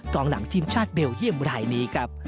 องหลังทีมชาติเบลเยี่ยมรายนี้ครับ